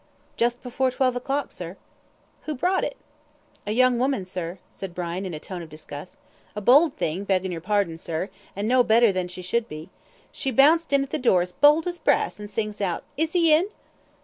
"Just before twelve o'clock, sir." "Who brought it?" "A young woman, sir," said Brown, in a tone of disgust. "A bold thing, beggin' your pardon, sir; and no better than she should be. She bounced in at the door as bold as brass, and sings out, 'Is he in?'